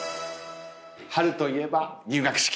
春といえば入学式。